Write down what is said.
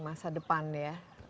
masa depan ya